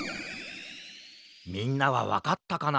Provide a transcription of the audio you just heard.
みんなはわかったかな？